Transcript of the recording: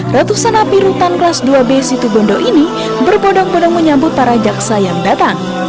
ratusan api rutan kelas dua b situbondo ini berbodong bodong menyambut para jaksa yang datang